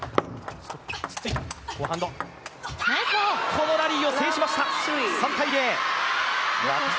このラリーを制しました。